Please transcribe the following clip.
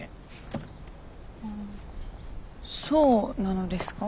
ああそうなのですか。